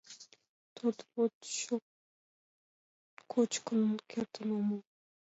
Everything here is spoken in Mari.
То-то вот, кочкын кертын омыл.